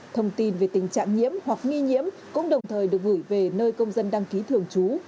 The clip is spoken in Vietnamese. thông tin về tình trạng nhiễm hoặc nghi nhiễm cũng đồng thời được gửi về nơi công dân đăng ký thường trú